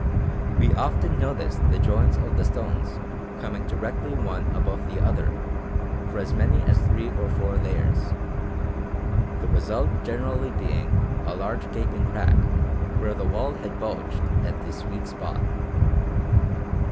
We often noticed the joins of the stones coming directly one above the other for as many as three or four layers, the result generally being a large gaping crack where the wall had bulged at this weak spot.